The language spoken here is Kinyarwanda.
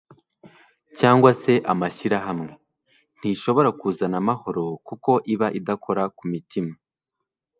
cyangwa se amashyirahamwe, ntishobora kuzana amahoro kuko iba idakora ku mitima.